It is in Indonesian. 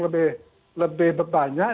lebih lebih banyak